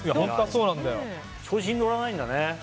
調子に乗らないんだね。